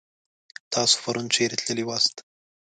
تاسو پرون چيرې تللي واست؟